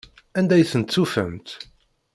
Anda i tent-tufamt?